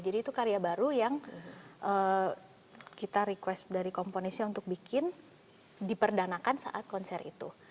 jadi itu karya baru yang kita request dari komponisnya untuk bikin diperdanakan saat konser itu